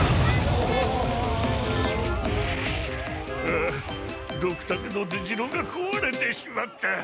ああドクタケの出城がこわれてしまった！